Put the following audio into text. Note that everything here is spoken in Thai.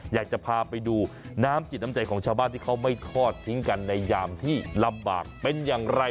อยากจะพาไปดูน้ำจิตน้ำใจของชาวบ้านที่เขาไม่ทอดทิ้งกันในยามที่ลำบากเป็นอย่างไร